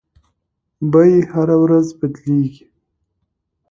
بیې هره ورځ بدلیږي.